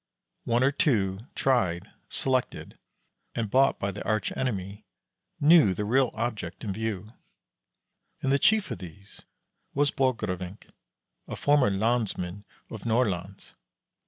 One or two, tried, selected, and bought by the arch enemy, knew the real object in view, and the chief of these was Borgrevinck, a former lansman of Nordlands.